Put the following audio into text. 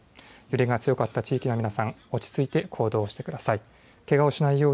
揺れが強かった地域の皆さん、落ち着いて行動してください。